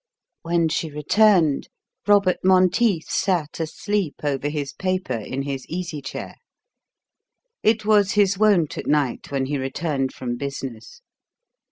X When she returned, Robert Monteith sat asleep over his paper in his easy chair. It was his wont at night when he returned from business.